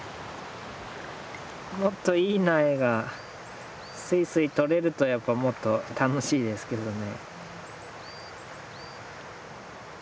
もっといい苗がスイスイとれるとやっぱもっと楽しいですけどね。